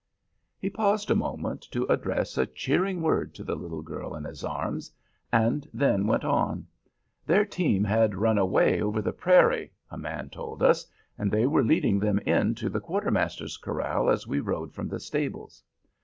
He paused a moment to address a cheering word to the little girl in his arms, and then went on: "Their team had run away over the prairie a man told us and they were leading them in to the quartermaster's corral as we rode from the stables.